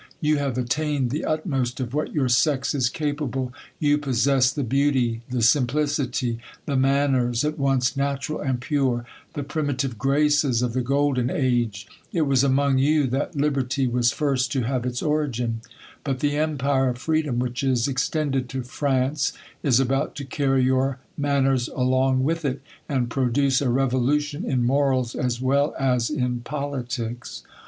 You have attained the utmost of what your sex is capable ; you possess the beauty, the simplicity, the manners, at once natural and pure ; the primitive graces of the golden age. It was among you that liber ty was first to have its origin. But the empire of free dom, wliich is extended to France, is about to carry your manners along w^ith it, and produce a revolution in morals as well as in politics.